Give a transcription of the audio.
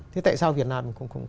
thế tại sao việt nam không làm được ấy